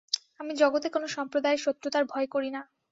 আমি জগতে কোন সম্প্রদায়ের শত্রুতার ভয় করি না।